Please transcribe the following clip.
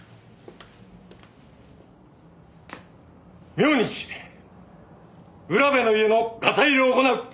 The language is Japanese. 明日浦部の家のガサ入れを行う。